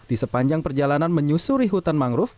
di sepanjang perjalanan menyusuri hutan mangrove